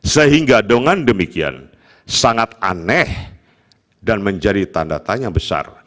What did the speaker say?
sehingga dengan demikian sangat aneh dan menjadi tanda tanya besar